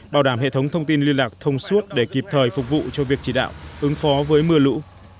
bảo đảm hệ thống thông tin liên lạc thông suốt để kịp thời phục vụ cho việc chỉ đạo ứng phó với mưa lũ